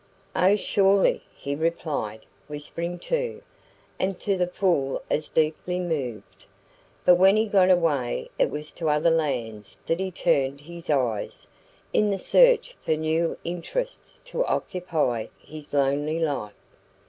"Oh, surely," he replied, whispering too, and to the full as deeply moved. But when he got away it was to other lands that he turned his eyes, in the search for new interests to occupy his lonely life.